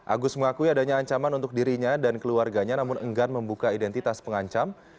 agus mengakui adanya ancaman untuk dirinya dan keluarganya namun enggan membuka identitas pengancam